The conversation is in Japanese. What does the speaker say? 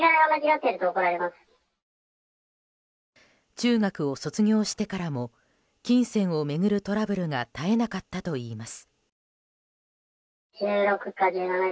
中学を卒業してからも金銭を巡るトラブルが絶えなかったといいます。